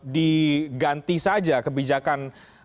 diganti saja kebijakan